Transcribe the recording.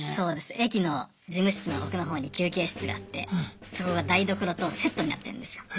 駅の事務室の奥のほうに休憩室があってそこが台所とセットになってんですよ。